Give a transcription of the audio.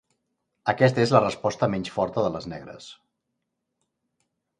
Aquest és la resposta menys forta de les negres.